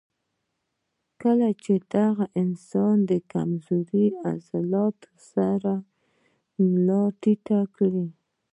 کله چې دغه انسان د کمزوري عضلاتو سره ملا ټېټه کړي